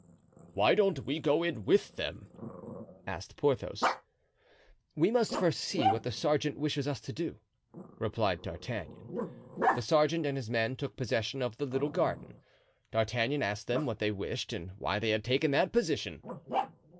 "Why don't we go in with them?" asked Porthos. "We must first see what the sergeant wishes us to do," replied D'Artagnan. The sergeant and his men took possession of the little garden. D'Artagnan asked them what they wished and why they had taken that position.